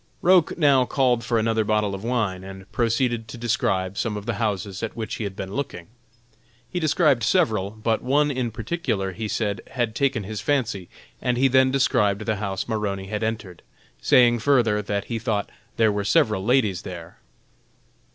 Roch now called for another bottle of wine, and proceeded to describe some of the houses at which he had been looking. He described several, but one in particular, he said, had taken his fancy; and he then described the house Maroney had entered, saying further that he thought there were several ladies there.